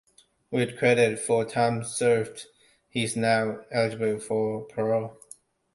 With credit for time served, he is now eligible for parole.